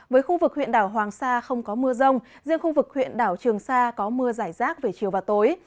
với khu vực huyện đảo hoàng sa không có mưa rông riêng khu vực huyện đảo trường sa có mưa giải rác về chiều và tối